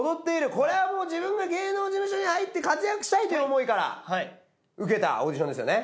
これはもう自分が芸能事務所に入って活躍したいという思いから受けたオーディションですよね？